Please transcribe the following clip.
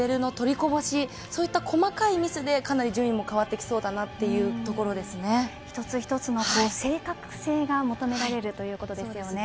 こういった細かいミスでかなり順位も変わってきそう一つ一つの正確性が求められるということですよね。